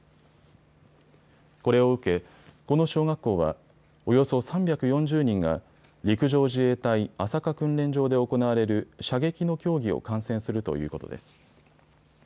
これを受け、この小学校はおよそ３４０人が陸上自衛隊朝霞訓練場で行われる射撃の競技を観戦するということです。